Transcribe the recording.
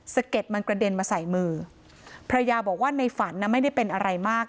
เก็ดมันกระเด็นมาใส่มือภรรยาบอกว่าในฝันน่ะไม่ได้เป็นอะไรมาก